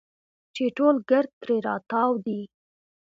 چې ټول ګرد ترې راتاو دي.